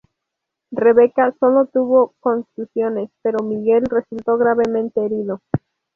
Rebecca sólo tuvo contusiones, pero Miguel resultó gravemente herido.